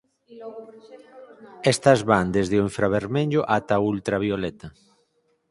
Estas van desde o infravermello ata o ultravioleta.